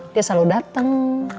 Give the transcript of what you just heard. dia selalu dateng